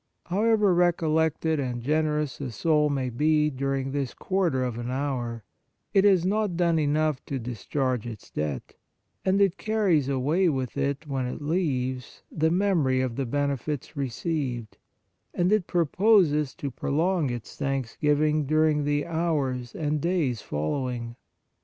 However recollected and generous a soul may be during this quarter of an hour, it has not done enough to discharge its debt ; and it carries away with it, when it leaves, the memory of the benefits received, and it proposes to prolong its thanksgiving during the hours and days following.